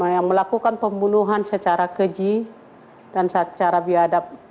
yang melakukan pembunuhan secara keji dan secara biadab